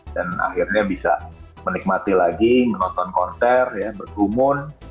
dan akhirnya bisa menikmati lagi menonton konser bergumun